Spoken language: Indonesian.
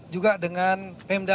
juga dengan pemda